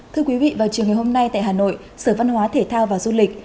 thưa quý vị vào chiều ngày hôm nay tại hà nội sở văn hóa thể thao và du lịch